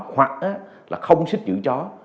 hoặc là không xích giữ chó